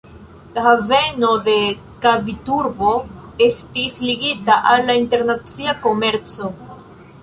La haveno de Kaviturbo estis ligita al la internacia komerco.